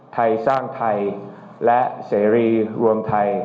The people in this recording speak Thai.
ไทยสร้างไทยและเสรีรวมไทย